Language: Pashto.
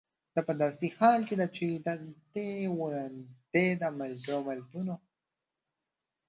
دا په داسې حال کې ده چې تر دې وړاندې د ملګرو ملتونو